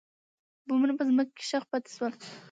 بمونه په ځمکه کې ښخ پاتې شول.